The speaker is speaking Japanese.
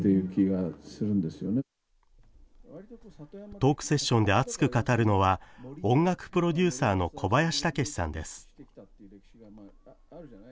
トークセッションで熱く語るのは音楽プロデューサーの小林武史さんです。